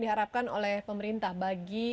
diharapkan oleh pemerintah bagi